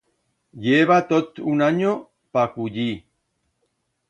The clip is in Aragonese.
I heba tot un anyo pa cullir.